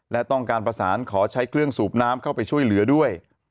และต้องการประสานขอใช้เครื่องสูบน้ำเข้าไปช่วยเหลือด้วย